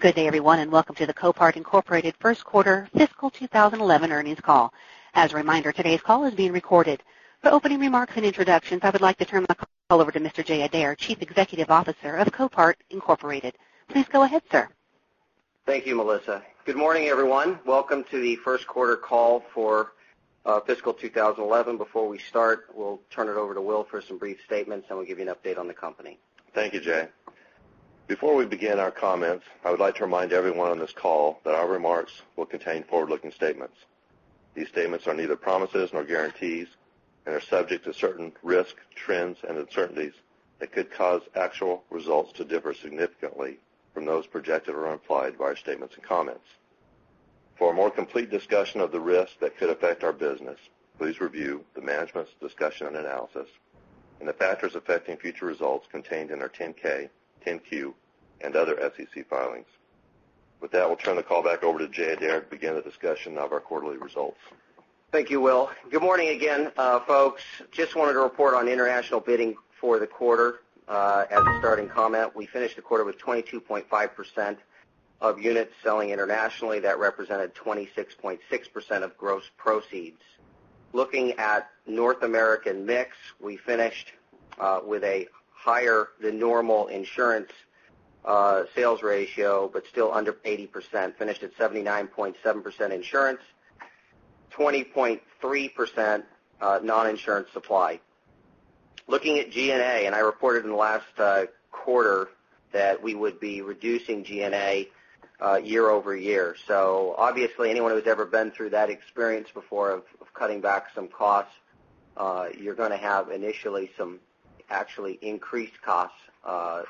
Good day, everyone, and welcome to the Copart Incorporated First Quarter Fiscal twenty eleven Earnings Call. As a reminder, today's call is being recorded. For opening remarks and introductions, I would like to turn the call over to Mr. Jay Adair, Chief Executive Officer of Copart Incorporated. Please go ahead, sir. Thank you, Melissa. Good morning, everyone. Welcome to the Q1 call for fiscal 2011. Before we start, we'll turn it over to Will for some brief statements and we'll give you an update on the company. Thank you, Jay. Before we begin our comments, I would like to remind everyone on this call that our remarks will contain forward looking statements. These statements are neither promises nor guarantees and are subject to certain risks, trends and uncertainties that could cause actual results to differ significantly from those projected or implied by our statements and comments. For a more complete discussion of the risks that could affect our business, please review the management's discussion and analysis and the factors affecting future results contained in our 10 ks, 10 Q and other SEC filings. With that, I'll turn the call back over to Jay and Derek to begin the discussion of our quarterly results. Thank you, Will. Good morning again, folks. Just wanted to report on international bidding for the quarter. As a starting comment, we finished the quarter with 22.5% of units selling internationally that represented 26.6 percent of gross proceeds. Looking at North American mix, we finished with a higher than normal insurance sales ratio, but still under 80%, finished at 79.7% insurance, 20.3% non insurance supply. Looking at G and A and I reported in the last quarter that we would be reducing G and A year over year. So obviously, anyone who has ever been through that experience before of cutting back some costs, you're going to have initially some actually increased costs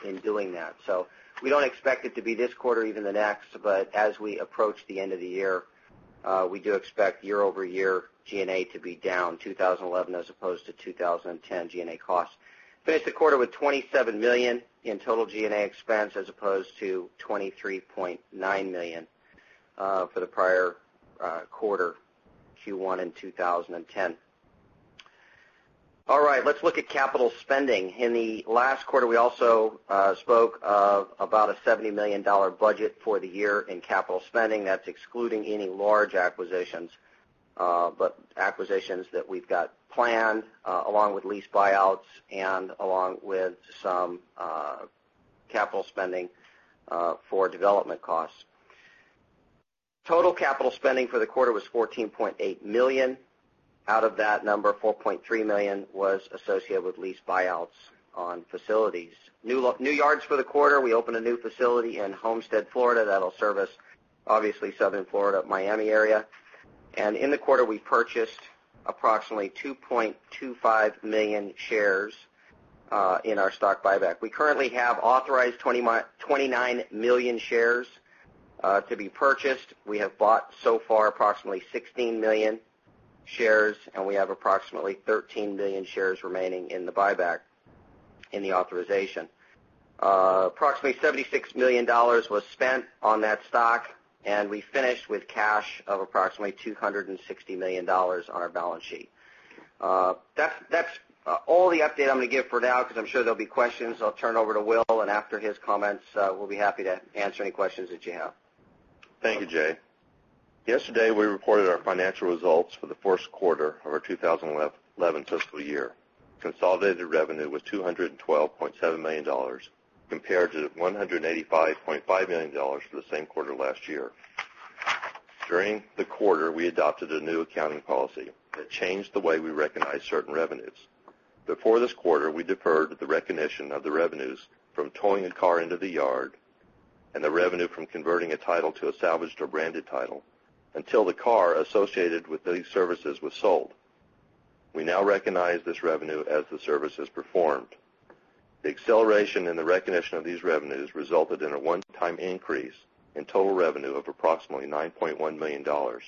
in doing that. So we don't expect it to be this quarter, even the next, but as we approach the end of the year, we do expect year over year G and A to be down 2011 as opposed to 2010 G and A costs. We finished the quarter with $27,000,000 in total G and A expense as opposed to 23,900,000 dollars for the prior quarter Q1 in 2010. All right, let's look at capital spending. In the last quarter, we also spoke about a $70,000,000 budget for the year in capital spending. That's excluding any large acquisitions, but acquisitions that we've got planned along with lease buyouts and along with some capital spending for development costs. Total capital spending for the quarter was $14,800,000 dollars Out of that number, dollars 4,300,000 was associated with lease buyouts on facilities. New yards for the quarter, we opened a new facility in Homestead, Florida that will service obviously Southern Florida Miami area. And in the quarter, we purchased approximately 2,250,000 shares in our stock buyback. We currently have authorized 29,000,000 shares to be purchased. We have bought so far approximately 16,000,000 shares and we have approximately 13,000,000 shares remaining in the buyback in the authorization. Approximately $76,000,000 was spent on that stock and we finished with cash of approximately $260,000,000 on our balance sheet. That's all the update I am going to give for now because I am sure there will be questions. I will turn it over to Will and after his comments, we will be happy to answer any questions that you have. Thank you, Jay. Yesterday, we reported our financial results for the Q1 of our 2011 fiscal year. Consolidated revenue was $212,700,000 compared to $185,500,000 for the same quarter last year. During the quarter, we adopted a new accounting policy that changed the way we recognize certain revenues. Before this quarter, we deferred the recognition of the revenues from towing a car into the yard and the revenue from converting a title to a salvaged or branded title until the car associated with these services was sold. We now recognize this revenue as the service is performed. The acceleration in the recognition of these revenues resulted in a one time increase in total revenue of approximately $9,100,000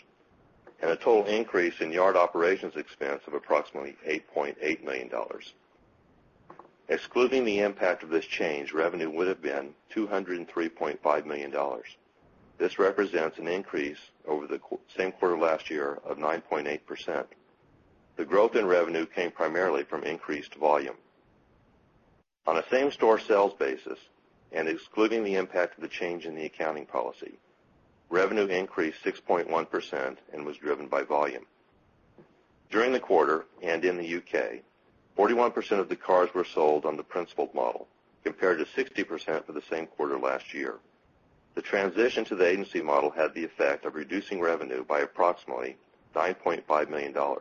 and a total increase in yard operations expense of approximately $8,800,000 Excluding the impact of this change, revenue would have been $203,500,000 This represents an increase over the same quarter last year of 9.8%. The growth in revenue came primarily from increased volume. On a same store sales basis and excluding the impact of the change in the accounting policy, revenue increased 6.1% and was driven by volume. During the quarter and in the UK, 41% of the cars were sold on the principled model compared to 60% for the same quarter last year. The transition to the agency model had the effect of reducing revenue by approximately $9,500,000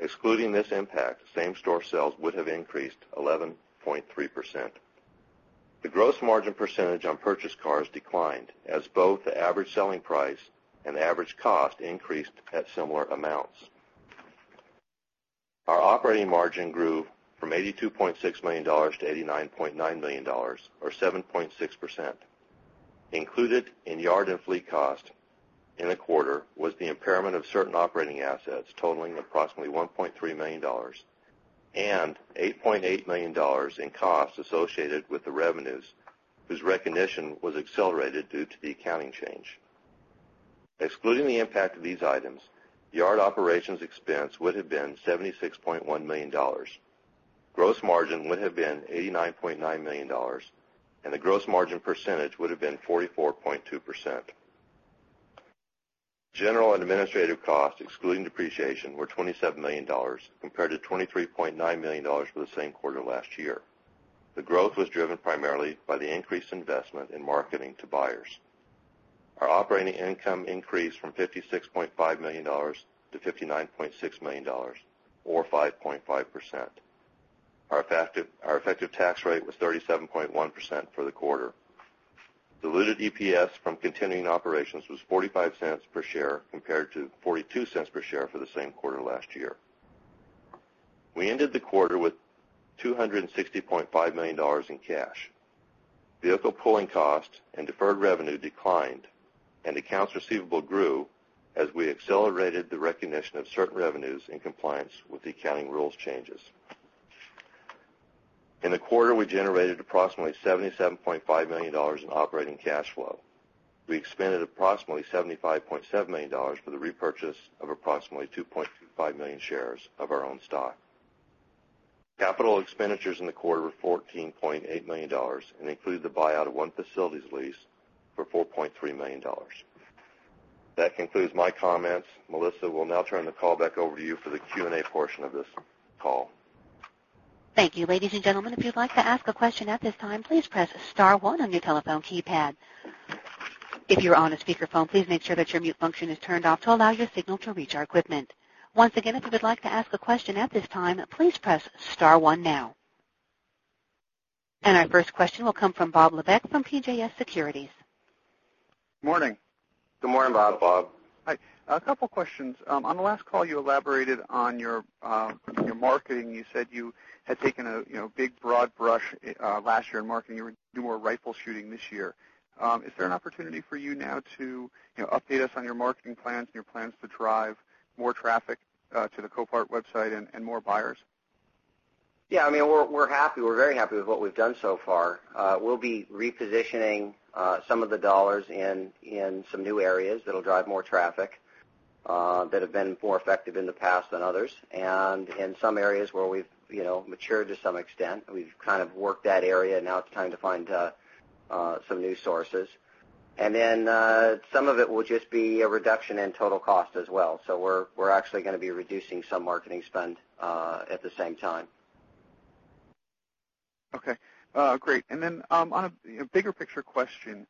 Excluding this impact, same store sales would have increased 11.3%. The gross margin percentage on purchased cars declined as both the average selling price and average cost increased at similar amounts. Our operating margin grew Our operating margin grew from $82,600,000 to $89,900,000 or 7.6 percent. Included in yard and fleet cost in the quarter was the impairment of certain operating assets totaling approximately $1,300,000 and $8,800,000 in costs associated with the revenues, whose recognition was accelerated due to the accounting change. Excluding the impact of these items, yard operations expense would have been $76,100,000 gross margin would have been $89,900,000 and the gross margin percentage would have been 44.2%. General and administrative costs, excluding depreciation, were $27,000,000 compared to $23,900,000 for the same quarter last year. The growth was driven primarily by the increased investment in marketing to buyers. Our operating income increased from $56,500,000 to $59,600,000 or 5.5 percent. Our effective tax rate was 37.1 percent for the quarter. Diluted EPS from continuing operations was $0.45 per share compared to $0.42 per share for the same quarter last year. We ended the quarter with $260,500,000 in cash. Vehicle pulling costs and deferred revenue declined and accounts receivable grew as we accelerated the recognition of certain revenues in compliance with the accounting rules changes. In the quarter, we generated approximately $77,500,000 in operating cash flow. We expended approximately $75,700,000 for the repurchase of approximately 2,250,000 shares of our own stock. Capital expenditures in the quarter were $14,800,000 and included the buyout of 1 facilities lease for $4,300,000 That concludes my comments. Melissa, we'll now turn the call back over to you for the Q and A portion of this call. Thank you. And our first question will come from Bob Levesque from PJS Securities. Good morning. Good morning, Bob. Hi. A couple of questions. On the last call you elaborated on your marketing, you said you had taken a big broad brush last year in marketing, you do more rifle shooting this year. Is there an opportunity for you now to update us on your marketing plans and your plans to drive more traffic to the Copart website and more buyers? Yes. I mean, we're happy. We're very happy with what we've done so far. We'll be repositioning some of the dollars in some new areas that will drive more traffic that have been more effective in the past than others. And in some areas where we've matured to some extent, we've kind of worked that area and now it's time to find some new sources. And then some of it will just be a reduction in total cost as well. So we're actually going to be reducing some marketing spend at the same time. Okay, great. And then on a bigger picture question,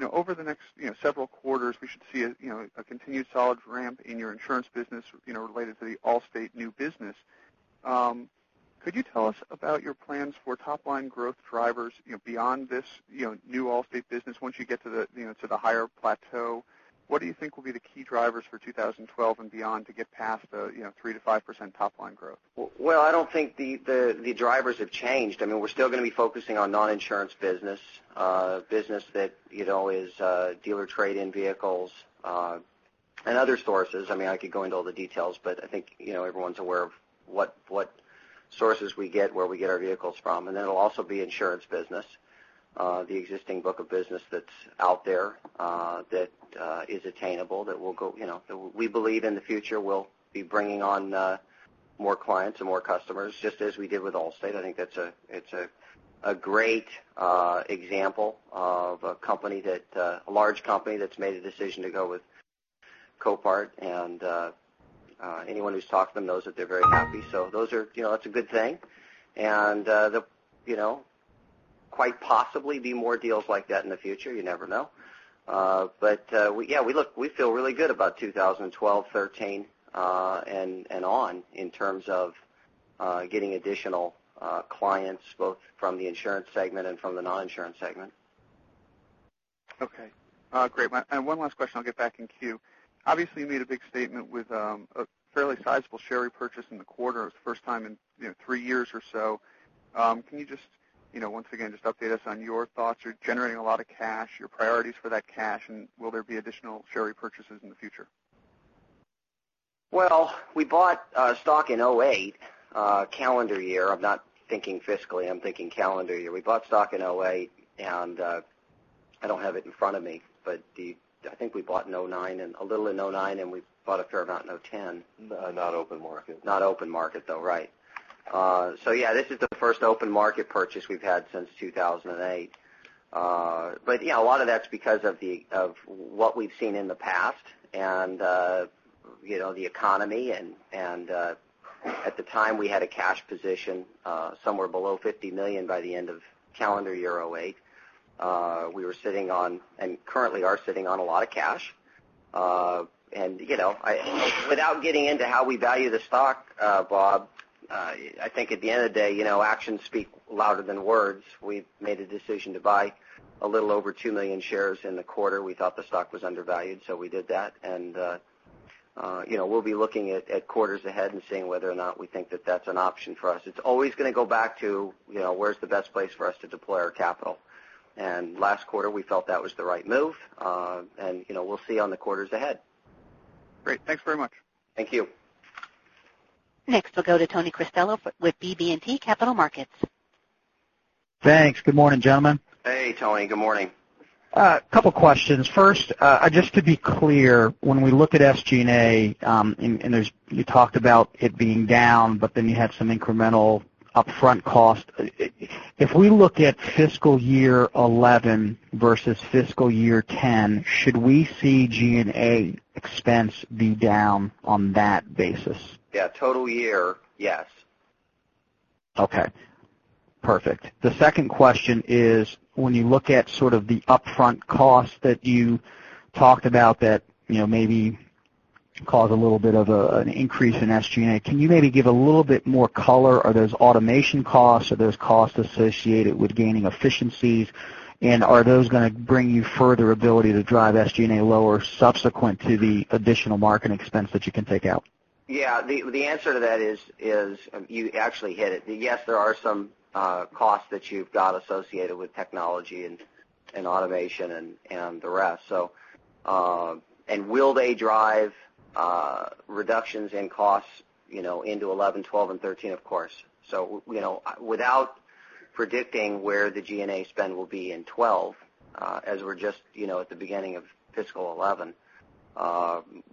over the next several quarters, we should see a continued solid ramp in your insurance business related to the Allstate new business. Could you tell us about your plans for top line growth drivers beyond this new Allstate business once you get to the higher plateau? What do you think will be the key drivers for 2012 and beyond to get past 3% to 5% top line growth? Well, I don't think the drivers have changed. I mean, we're still going to be focusing on non insurance business, business that is dealer trade in vehicles and other sources. I mean, I could go into all the details, but I think everyone's aware of what sources we get, where we get our vehicles from. And that will also be insurance business, the existing book of business that's out there that is attainable that will go we believe in the future we'll be bringing on more clients and more customers just as we did with Allstate. I think that's a a it's a great example of a company that a large company that's made a decision to go with Copart and anyone who's talked to them knows that they're very happy. So those are that's a good thing. And quite possibly be more deals like that in the future, you never know. But yes, we look we feel really good about 2012, 2013 and on in terms of getting additional clients both from the insurance segment and from the non insurance segment. Okay, great. And one last question, I'll get back in queue. Obviously, you made a big statement with a fairly sizable share repurchase in the quarter, it was the first time in 3 years or so. Can you just once again just update us on your thoughts? You're generating a lot of cash, your priorities for that cash and will there be additional share repurchases in the future? Well, we bought stock in 'eight calendar year. I'm not thinking fiscally, I'm thinking calendar year. We bought stock in 'eight and I don't have it in front of me, but I think we bought in 'nine and a little in 'nine and we bought a fair amount in 'ten. Not open market. Not open market though, right. So yes, this is the first open market purchase we've had since 2,008. But a lot of that's because of what we've seen in the past and the economy. And at the time we had a cash position somewhere below $50,000,000 by the end of calendar year 'eight. We were sitting on and currently are sitting on a lot of cash. And without getting into how we value the stock, Bob, I think at the end of the day, actions speak louder than words. We've made a decision to buy a little over 2,000,000 shares in the quarter. We thought the stock was undervalued, so we did that. And we'll be looking at quarters ahead and seeing whether or not we think that that's an option for us. It's always going to go back to where's the best place for us to deploy our capital. And last quarter, we felt that was the right move and we'll see on the quarters ahead. Great. Thanks very much. Thank you. Next, we'll go to Tony Cristello with BB and T Capital Markets. Thanks. Good morning, gentlemen. Hey, Tony. Good morning. Couple of questions. First, just to be clear, when we look at SG and A, and there's you talked about it being down, but then you had some incremental upfront cost. If we look at fiscal year 2011 versus fiscal year 2010, should we see G and A expense be down on that basis? Yes, total year, yes. Okay, perfect. The second question is when you look at sort of the upfront cost that you talked about that maybe caused a little bit of an increase in SG and A. Can you maybe give a little bit more color? Are those automation costs? Are those costs associated with gaining efficiencies? And are those going to bring you further ability to drive SG and A lower subsequent to the additional marketing expense that you can take out? Yes. The answer to that is you actually hit it. Yes, there are some costs that you've got associated with technology and automation and the rest. So and will they drive reductions in costs into 'eleven, 'twelve and 'thirteen, of course. So without predicting where the G and A spend will be in 'twelve, as we're just at the beginning of fiscal 'eleven,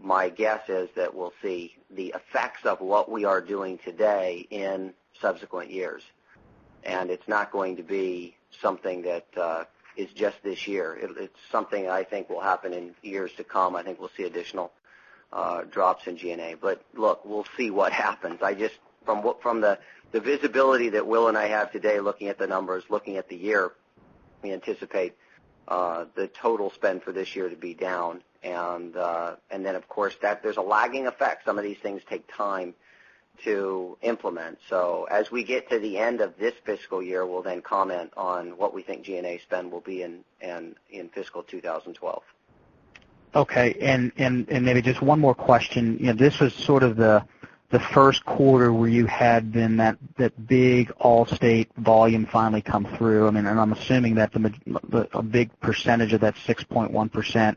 my guess is that we'll see the effects of what we are doing today in subsequent years. And it's not going to be something that is just this year. It's something I think will happen in years to come. I think we'll see additional drops in G and A. But look, we'll see what happens. I just from the visibility that Will and I have today looking at the numbers, looking at the year, we anticipate the total spend for this year to be down. And then, of course, there's a lagging effect. Some of these things take time to implement. So as we get to the end of this fiscal year, we'll then comment on what we think G and A spend will be in fiscal 2012. Okay. And maybe just one more question. This was sort of the Q1 where you had been that big Allstate volume finally come through. I mean, and I'm assuming that a big percentage of that 6.1%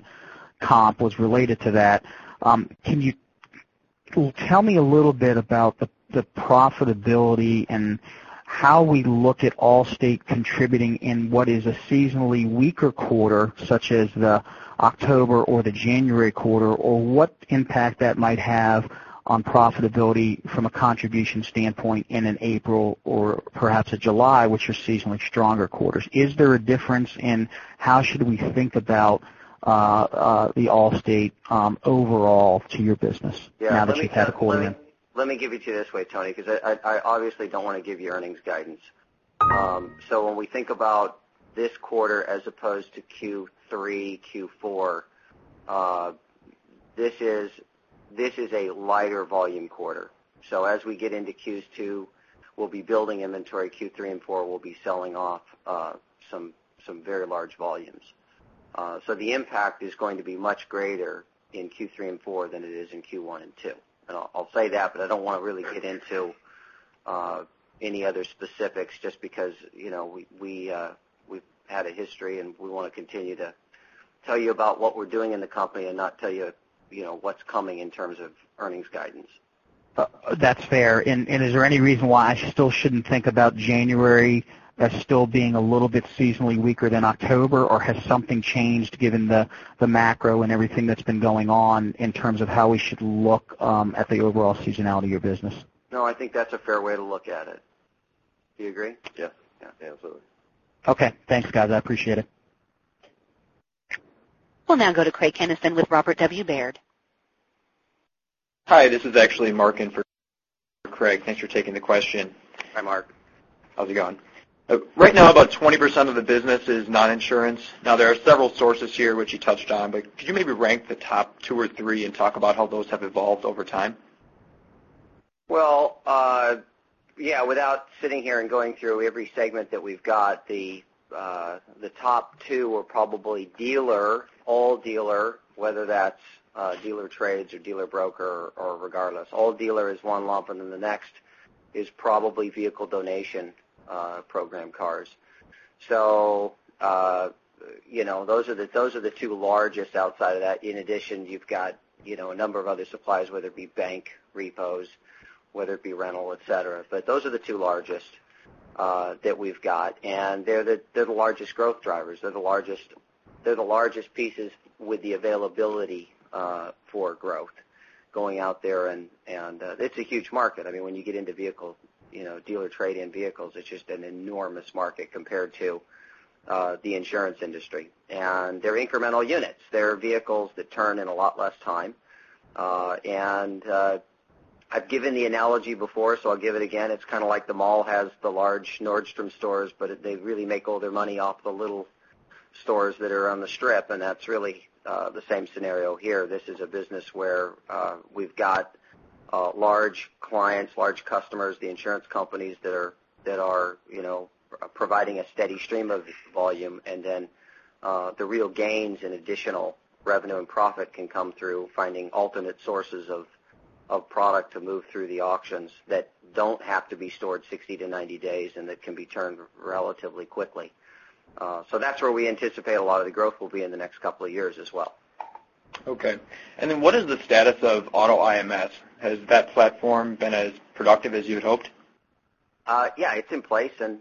comp was related to that. Can you tell me a little bit about the profitability and how we look at Allstate contributing in what is a seasonally weaker quarter, such as the October or the January quarter or what impact that might have on profitability from a contribution standpoint in an April or perhaps a July, which are seasonally stronger quarters. Is there a difference? And how should we think about the Allstate overall to your business now that you've had a quarter in? Let me give it to you this way, Tony, because I obviously don't want to give you earnings guidance. So when we think about this quarter as opposed to Q3, Q4, this is a lighter volume quarter. So as we get into Q2, we'll be building inventory. Q3 and Q4, we'll be selling off some very large volumes. So the impact is going to be much greater in Q3 and Q4 than it is in Q1 and Q2. And I'll say that, but I don't want to really get into any other specifics just because we've had a history and we want to continue to tell you about what we're doing in the company and not tell you what's coming in terms of earnings guidance. That's fair. And is there any reason why I still shouldn't think about January as still being a little bit seasonally weaker than October? Or has something changed given the macro and everything that's been going on in terms of how we should look at the overall seasonality of your business. No, I think that's a fair way to look at it. Do you agree? Yes. Yes, absolutely. Okay. Thanks guys. I appreciate it. We'll now go to Craig Kennison with Robert W. Baird. Hi. This is actually Mark in for Craig. Thanks for taking the question. Hi, Mark. How is it going? Right now, about 20% of the business is non insurance. Now there are several sources here, which you touched on, but could you maybe rank the top 2 or 3 and talk about how those have evolved over time? Well, yes, without sitting here and going through every segment that got, the top 2 are probably dealer, all dealer, whether that's dealer trades or dealer broker or regardless, all dealer is 1 lump and then the next is probably vehicle donation program cars. So those are the 2 largest outside of that. In addition, you've got a number of other supplies, whether it be bank repos, whether it be rental, etcetera. But those are the 2 largest, that we've got. And they're the largest growth drivers. They're the largest pieces with the availability for growth going out there and it's a huge market. I mean when you get into vehicle dealer trade in vehicles, it's just an enormous market compared to the insurance industry. And they're incremental units. They're vehicles that turn in a lot less time. And I've given the analogy before, so I'll give it again. It's kind of like the mall has the large Nordstrom stores, but they really make all their money off the little stores that are on the Strip and that's really the same scenario here. This is a business where we've got large clients, large customers, the insurance companies that are providing a steady stream of volume and then the real gains and additional revenue and profit can come through finding alternate sources of product to move through the auctions that don't have to be stored 60 to 90 days and that can be turned relatively quickly. So that's where we anticipate a lot of the growth will be in the next couple of years as well. Okay. And then what is the status of Auto IMS? Has that platform been as productive as you had hoped? Yes, it's in place and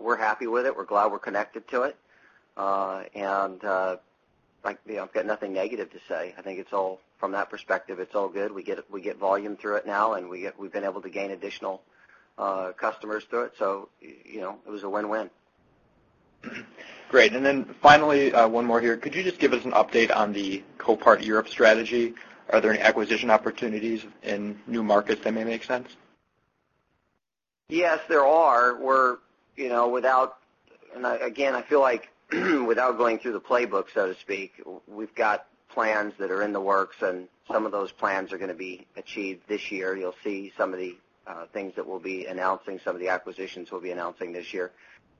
we're happy with it. We're glad we're connected to it. And I've got nothing negative to say. I think it's all from that perspective, it's all good. We get volume through it now and we've been able to gain additional customers through it. So it was a win win. Great. And then finally, one more here. Could you just give us an update on the Copart Europe strategy? Are there any acquisition opportunities in new markets that may make sense? Yes, there are. We're without and again, I feel like without going through the playbook, so to speak, we've got plans that are in the works and some of those plans are going to be achieved this year. You'll see some of the things that we'll be announcing, some of the acquisitions we'll be announcing this year.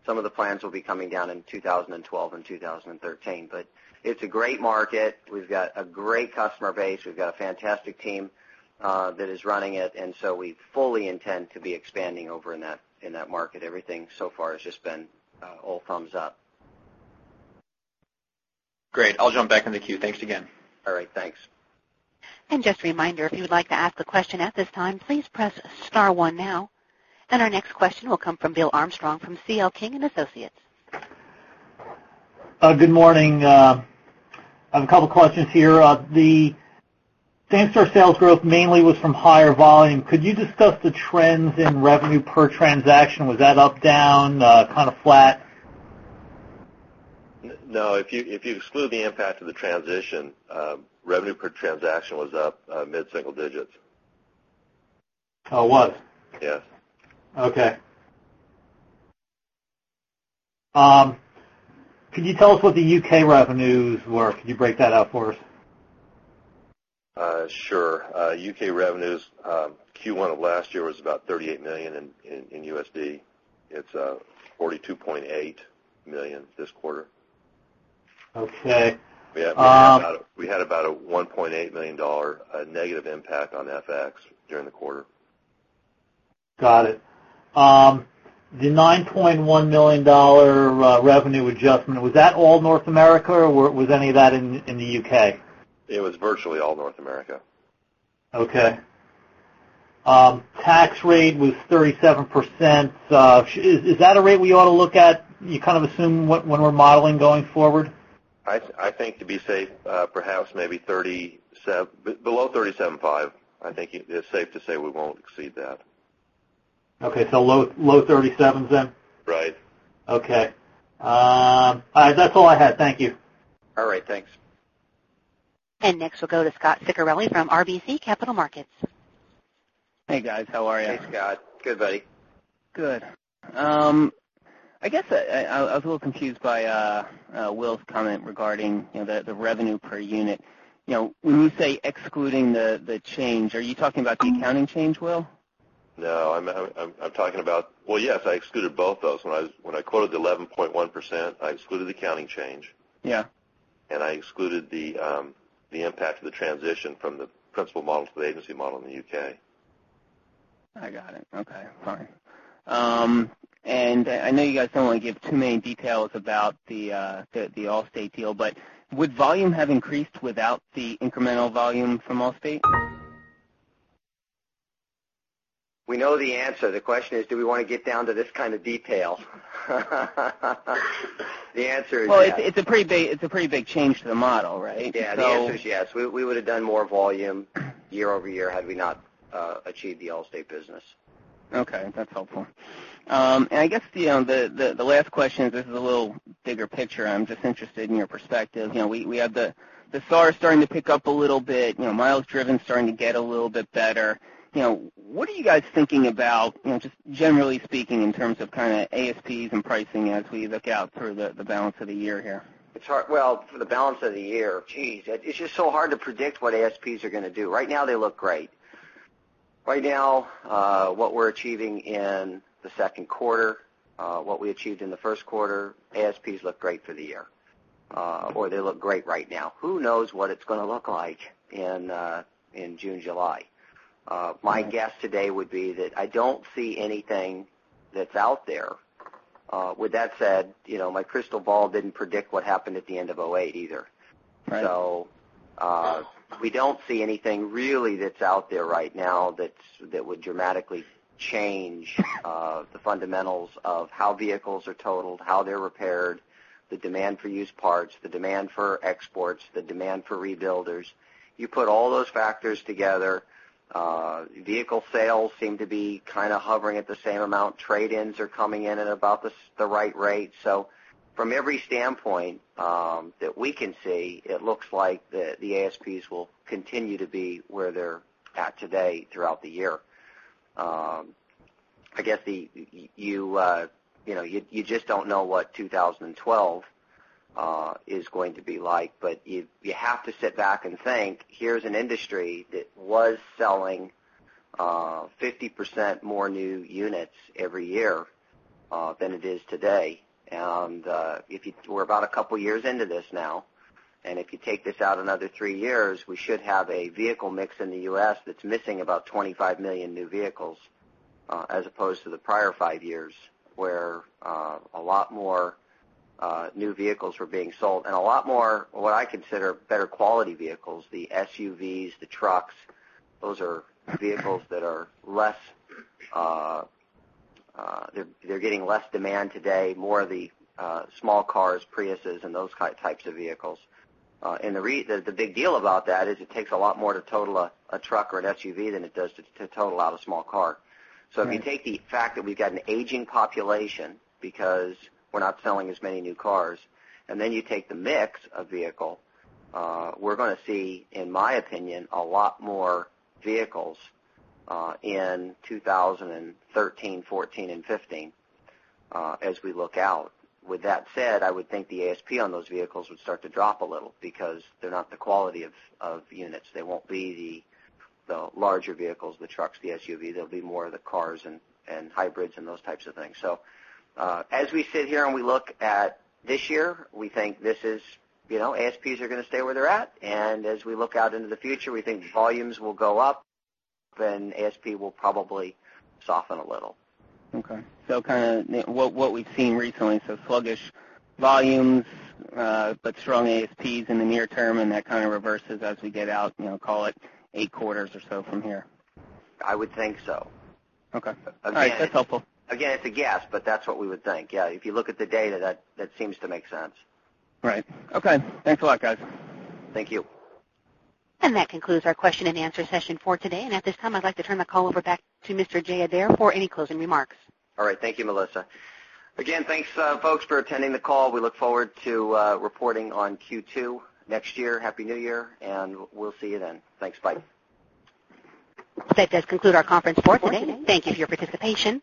Some of the plans will be coming down in 2012 2013, but it's a great market. We've got a great customer base. We've got a fantastic team that is running it. And so we fully intend to be expanding over in that market. Everything so far has just been all thumbs up. Great. I'll jump back in the queue. Thanks again. All right. Thanks. And our next question will come from Bill Armstrong from CL King and Associates. Good morning. A couple of questions here. The same store sales growth mainly was from higher volume. Could you discuss the trends in revenue per transaction? That up, down, kind of flat? No. If you exclude the impact of the transition, revenue per transaction was up mid single digits. It was? Yes. Okay. Could you tell us what the U. K. Revenues were? Could you break that out for us? Sure. U. K. Revenues, Q1 of last year was about $38,000,000 in USD. It's $42,800,000 this quarter. Okay. We had about a $1,800,000 negative impact on FX during the quarter. Got it. The $9,100,000 revenue adjustment, was that all North America or was any of that in the UK? It was virtually all North America. Okay. Tax rate was 37%. Is that a rate we ought to look at, you kind of assume when we're modeling going forward? I think to be safe, perhaps maybe 30 below 37.5%. I think it's safe to say we won't exceed that. Okay. So low 37s then? Right. Okay. That's all I had. Thank you. All right. Thanks. And next we'll go to Scot Ciccarelli from RBC Capital Markets. Hey, guys. How are you? Hey, Scot. Good, buddy. Good. I guess I was a little confused by Will's comment regarding the revenue per unit. When you say excluding the change, are you talking about the accounting change, Will? No. I'm talking about well, yes, I excluded both those. When I quoted the 11.1%, I excluded the accounting change. Yes. And I excluded the impact of the transition from the principal model to the agency model in the U. K. I got it. Okay. Fine. And I know you guys don't want to give too many details about the Allstate deal, but would volume have increased without the incremental volume from Allstate? We know the answer. The question is do we want to get down to this kind of detail. The answer is yes. Well, it's a pretty big change to the model, right? Yes. The answer is yes. We would have done more volume year over year had we not achieved the Allstate business. Okay. That's helpful. And I guess the last question is this is a little bigger picture. I'm just interested in your perspective. We have the SAAR starting to pick up a little bit, miles driven starting to get a little bit better. What are you guys thinking about, just generally speaking, in terms of kind of ASPs and pricing as we look out through the balance of the year here? It's hard well, for the balance of the year, geez, it's just so hard to predict what ASPs are going to do. Right now, they look great. Right now, what we're achieving in the Q2, what we achieved in the Q1, ASPs look great for the year or they look great right now. Who knows what it's going to look like in June, July? My guess today would be that I don't see anything that's out there. With that said, my crystal ball didn't predict what happened at the end of 'eight either. So we don't see anything really that's out there right now that would dramatically change the fundamentals of how vehicles are totaled, how they're repaired, the demand for used parts, the demand for exports, the demand for rebuilders. You put all those factors together, vehicle sales seem to be kind of hovering at the same amount, trade ins are coming in at about the right rate. So from every standpoint that we can see, it looks like the ASPs will continue to be where they're at today throughout the year. I guess, you just don't know what 2012 is going to be like, but you have to sit back and think, here's an industry that was selling 50% more new units every year than it is today. And if you we're about a couple of years into this now and if you take this out another 3 years, we should have a vehicle mix in the U. S. That's missing about 25,000,000 new vehicles as opposed to the prior 5 years where a lot more new vehicles were being sold and a lot more what I consider better quality vehicles, the SUVs, the trucks, those are vehicles that are less they're getting less demand today, more of the small cars, Priuses and those types of vehicles. And the big deal about that is it takes a lot more to total a truck or an SUV than it does to total out a small car. So if you take the fact that we've got an aging population because we're not selling as many new cars and then you take the mix of vehicle, we're going to see, in my opinion, a lot more vehicles in 2013, 2014, 2015 as we look out. With that said, I would think the ASP on those vehicles would start to drop a little because they're not the quality of units. They won't be the larger vehicles, the trucks, the SUV. They'll be more of the cars and hybrids and those types of things. So as we sit here and we look at this year, we think this is ASPs are going to stay where they're at. And as we look out into the future, we think volumes will go up and ASP will probably soften a little. Okay. So kind of what we've seen recently, so sluggish volumes, but strong ASPs in the near term and that kind of reverses as we get out, call it, 8 quarters or so from here? I would think so. Okay. All right. That's helpful. Again, it's a guess, but that's what we would think. Yes, if you look at the data, that seems to make sense. Right. Okay. Thanks a lot, guys. Thank you. And that concludes our question and answer session for today. And at this time, I'd like to turn the call over back to Mr. Jay Adair for any closing remarks. All right. Thank you, Melissa. Again, thanks folks for attending the call. We look forward to reporting on Q2 next year. Happy New Year and we'll see you then. Thanks. Bye. That does conclude our conference for today. Thank you for your participation.